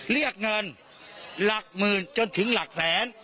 เรียกเงินหลักหมื่นจนถึงหลักแสน